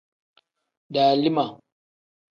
Dalima.